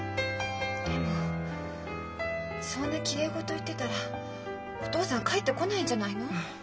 でもそんなきれい事言ってたらお父さん帰ってこないんじゃないの？